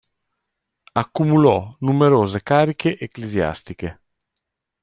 Accumulò numerose cariche ecclesiastiche.